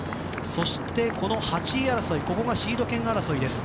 そして、８位争いここがシード権争いです。